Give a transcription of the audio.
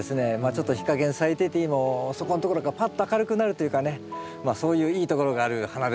ちょっと日陰に咲いててもそこのところがパッと明るくなるというかねそういういいところがある花ですよね。